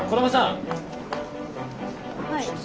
はい。